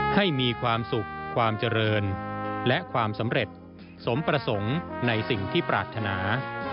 ให้มีความสุขความเจริญและความสำเร็จสมประสงค์ในสิ่งที่ปรารถนา